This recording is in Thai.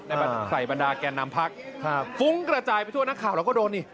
ใส่บรรดาแก่นำพักฟุ้งกระจายไปทั่วนักข่าวเราก็โดนนี่